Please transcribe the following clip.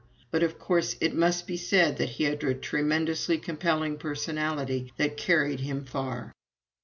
But, of course, it must be said that he had a tremendously compelling personality that carried him far."